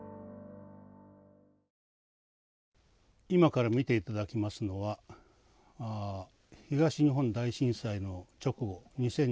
今から見て頂きますのは東日本大震災の直後